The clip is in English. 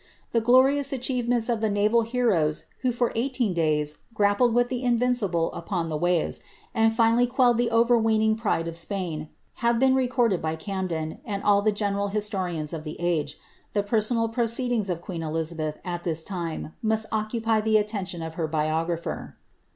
The glorious achievements of the naval heroes who for eighteen days grappled with the Invincible upon the waves, and finally quelled the overweening pride of Spain, have been recorded by Camden, and all the general historians of the age; the personal proceed ings of queen Elizabeth, at this lime, must occupy the attention of her biogniplier.